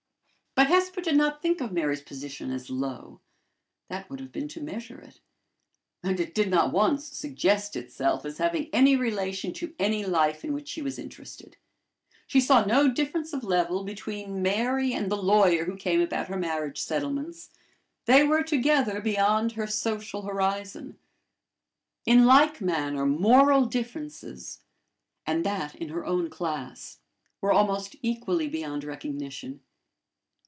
But Hesper did not think of Mary's position as low; that would have been to measure it; and it did not once suggest itself as having any relation to any life in which she was interested. She saw no difference of level between Mary and the lawyer who came about her marriage settlements: they were together beyond her social horizon. In like manner, moral differences and that in her own class were almost equally beyond recognition.